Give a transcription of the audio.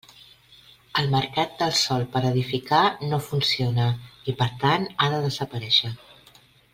El mercat del sòl per edificar no funciona i, per tant, ha de desaparéixer.